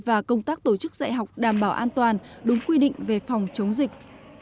và công tác tổ chức dạy học đảm bảo an toàn đúng quy định về phòng chống dịch